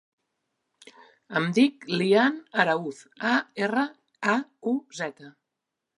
Em dic Lian Arauz: a, erra, a, u, zeta.